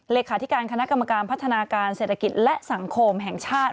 เลขาธิการคณะกรรมการพัฒนาการเศรษฐกิจและสังคมแห่งชาติ